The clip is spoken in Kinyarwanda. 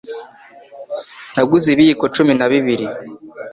Naguze ibiyiko cumi na bibiri.